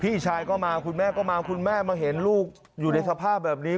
พี่ชายก็มาคุณแม่ก็มาคุณแม่มาเห็นลูกอยู่ในสภาพแบบนี้